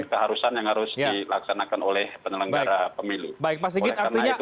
keharusan yang harus dilaksanakan oleh penelenggara pemilu